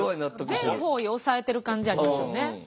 全方位押さえてる感じありますよね。